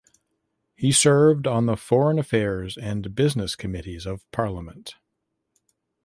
He served on the Foreign Affairs and Business Committees of Parliament.